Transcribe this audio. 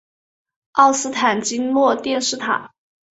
奥斯坦金诺电视塔。